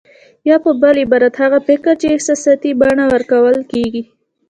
يا په بل عبارت هغه فکر چې احساساتي بڼه ورکول کېږي.